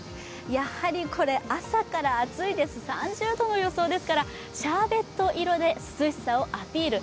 やはり朝から暑いです、３０度の予想ですから、シャーベット色で、涼しさをアピール。